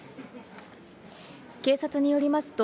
警察によりますと、